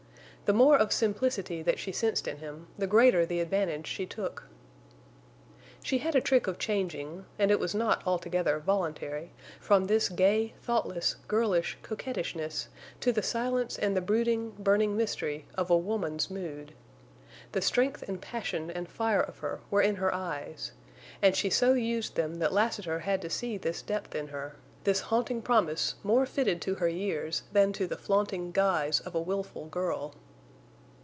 The more of simplicity that she sensed in him the greater the advantage she took. She had a trick of changing—and it was not altogether voluntary—from this gay, thoughtless, girlish coquettishness to the silence and the brooding, burning mystery of a woman's mood. The strength and passion and fire of her were in her eyes, and she so used them that Lassiter had to see this depth in her, this haunting promise more fitted to her years than to the flaunting guise of a wilful girl.